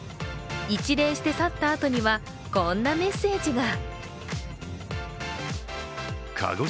一礼して去ったあとにはこんなメッセージが。